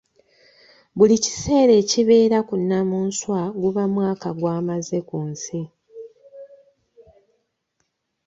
Buli kiseera ekibeera ku Nnamunswa guba mwaka gwamaze kunsi.